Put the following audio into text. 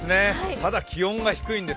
ただ、気温が低いんです。